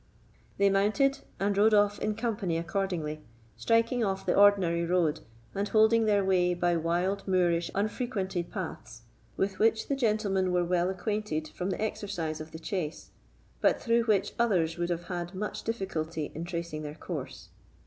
They mounted and rode off in company accordingly, striking off the ordinary road, and holding their way by wild moorish unfrequented paths, with which the gentlemen were well acquainted from the exercise of the chase, but through which others would have had much difficulty in tracing their course.